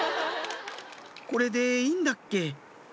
「これでいいんだっけ？」